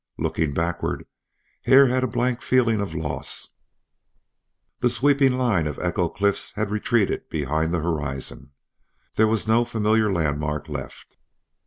Looking backward Hare had a blank feeling of loss; the sweeping line of Echo Cliffs had retreated behind the horizon. There was no familiar landmark left.